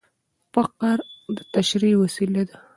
فقره د تشریح وسیله ده.